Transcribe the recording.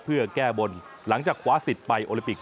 เพื่อแก้บนหลังจากคว้าสิทธิ์ไปโอลิปิก